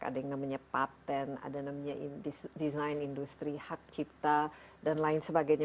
ada yang namanya patent ada yang namanya design industry hak cipta dan lain sebagainya